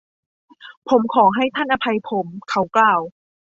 ผมขอให้ท่านอภัยผม เขากล่าว